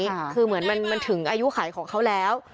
คือเหมือนมันมันถึงอายุไขของเขาแล้ว